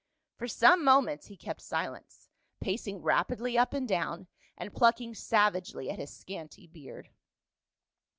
For some moments he kept silence, pacing rapidly up and down, and plucking savagely at his scanty beard.